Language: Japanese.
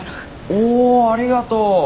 おありがとう。